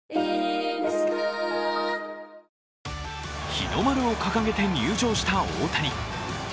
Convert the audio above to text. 日の丸を掲げて入場した大谷。